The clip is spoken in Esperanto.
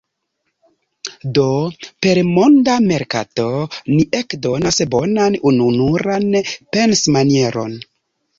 Do, per monda merkato, ni ekdonas bonan, ununuran pensmanieron.